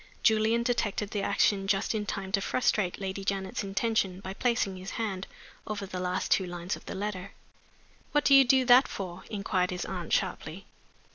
Julian detected the action just in time to frustrate Lady Janet's intention by placing his hand over the last two lines of the letter. "What do you do that for?" inquired his aunt, sharply.